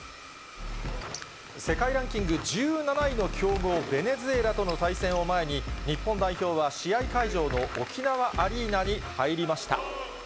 世界ランキング１７位の強豪、ベネズエラとの対戦を前に、日本代表は試合会場の沖縄アリーナに入りました。